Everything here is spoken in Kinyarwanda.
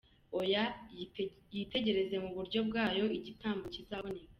Oya! Yitegereze mu buryo bwayo igitambo kizaboneka.